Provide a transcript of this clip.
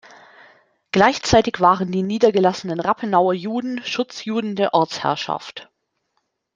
Gleichzeitig waren die niedergelassenen Rappenauer Juden Schutzjuden der Ortsherrschaft.